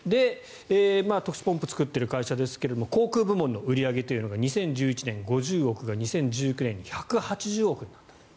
特殊ポンプを作っている会社ですけれども航空部門の売り上げが２０１１年、５０億円が２０１９年１８０億円になった。